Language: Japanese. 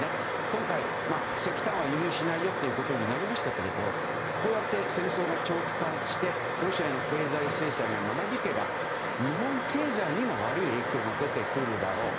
今回、石炭は輸入しないことになりましたけどこうやって戦争が長期化してロシアへの経済制裁が長引けば日本経済にも悪い影響が出てくるだろう。